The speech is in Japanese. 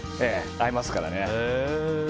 合いますからね。